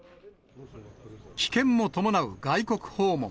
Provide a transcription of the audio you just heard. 危険も伴う外国訪問。